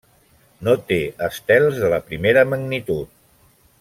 No té estels de la primera magnitud.